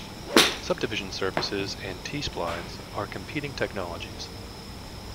Subdivision surfaces and T-Splines are competing technologies.